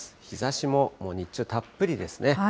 日ざしも日中、たっぷりですね。